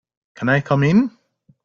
Can I come in?